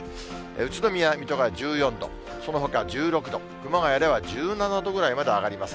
宇都宮、水戸が１４度、そのほか１６度、熊谷では１７度ぐらいまで上がります。